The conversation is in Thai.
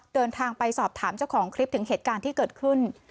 เดินทางไปสอบถามเจ้าของคลิปถึงเหตุการณ์ที่เกิดขึ้น